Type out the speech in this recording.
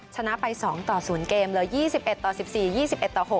ชนะไป๒ต่อ๐เกมเหลือ๒๑ต่อ๑๔๒๑ต่อ๖